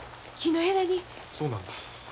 そうなんだ。